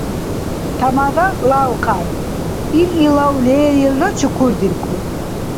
Тамада лявкьян. Ил алав лерилра чукурдиркур.